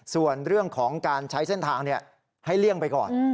ส่วนเรื่องของการใช้เส้นทางให้เลี่ยงไปก่อน